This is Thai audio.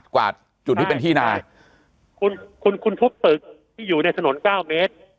กวาดจุดที่เป็นที่นายคุณคุณทุบตึกที่อยู่ในถนนเก้าเมตร